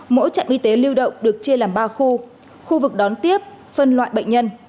mỗi trạm y tế lưu động được chia làm ba khu khu vực đón tiếp phân loại bệnh nhân